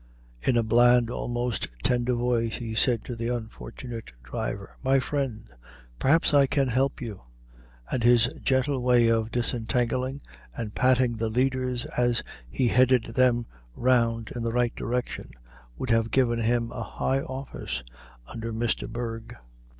In a bland, almost tender voice, he said to the unfortunate driver, "My friend, perhaps I can help you;" and his gentle way of disentangling and patting the leaders as he headed them round in the right direction would have given him a high office under Mr. Bergh.